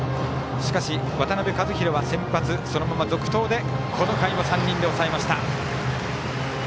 しかし、渡辺和大は、先発そのまま続投でこの回も３人で抑えました。